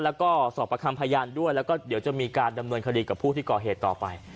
แล้วก็สอบประคำพยานด้วยแล้วก็เดี๋ยวจะมีการดำเนินคดีกับผู้ที่ก่อเหตุต่อไป